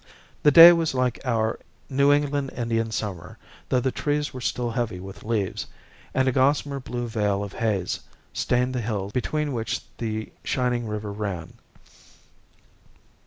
The day was like our New England Indian summerthough the trees were still heavy with leaves and a gossamer blue veil of haze stained the hills between which the shining river ran.